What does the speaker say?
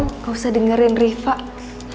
enggak usah dengerin rifah